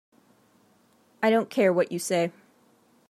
I don't care what you say.